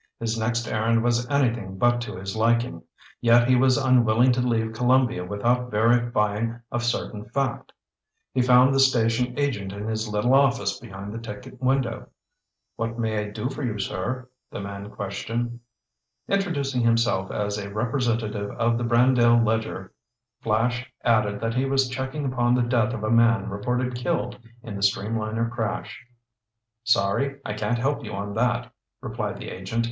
His next errand was anything but to his liking. Yet he was unwilling to leave Columbia without verifying a certain fact. He found the station agent in his little office behind the ticket window. "What may I do for you, sir?" the man questioned. Introducing himself as a representative of the Brandale Ledger, Flash added that he was checking upon the death of a man reported killed in the streamliner crash. "Sorry I can't help you on that," replied the agent.